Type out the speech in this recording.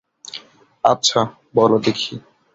আচ্ছা, বলো দেখি।